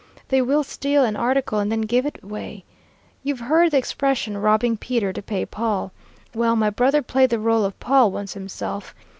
They will steal an article and then give it away. You've heard the expression 'robbing Peter to pay Paul.' Well, my brother played the rôle of Paul once himself.